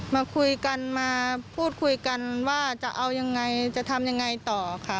มาคุยกันมาพูดคุยกันว่าจะเอายังไงจะทำยังไงต่อค่ะ